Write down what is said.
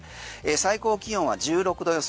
最高気温は１６度予想